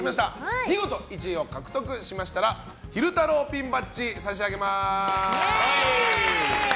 見事１位をとりましたら昼太郎ピンバッジ差し上げます。